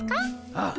ああ。